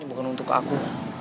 ini bukan untuk aku